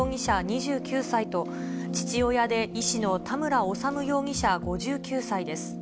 ２９歳と、父親で医師の田村修容疑者５９歳です。